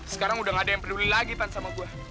sekarang udah gak ada yang peduli lagi pan sama buah